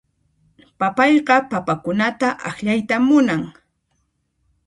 Papayqa papakunata akllayta munan.